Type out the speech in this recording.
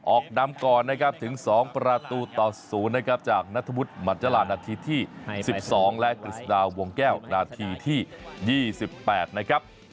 ออกนำก่อนนะครับถึง๒ประตูต่อ๐นะครับจากนัทวุฒิหมัจจรานาทีที่๑๒และกฤษฎาวงแก้วนาทีที่๒๘นะครับ